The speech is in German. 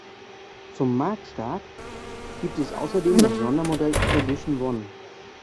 Zum Marktstart gibt es außerdem das Sondermodell "Edition One".